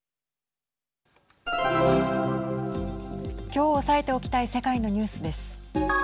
きょう押さえておきたい世界のニュースです。